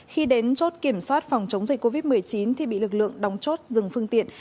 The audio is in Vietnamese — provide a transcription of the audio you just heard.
khi đến chốt kiểm soát phòng chống dịch covid một mươi chín thì bị lực lượng đóng chốt dừng phương tiện